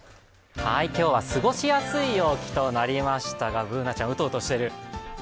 今日は過ごしやすい陽気となりましたが、Ｂｏｏｎａちゃん、うとうとしている？